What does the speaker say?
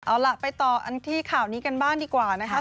เอาล่ะไปต่อกันที่ข่าวนี้กันบ้างดีกว่านะคะ